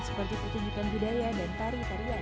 seperti pertunjukan budaya dan tari tarian